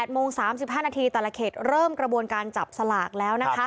โมง๓๕นาทีแต่ละเขตเริ่มกระบวนการจับสลากแล้ว